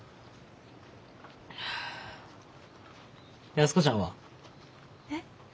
安子ちゃんは？えっ？